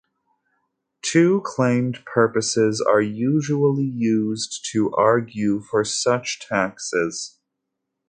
Two claimed purposes are usually used to argue for such taxes.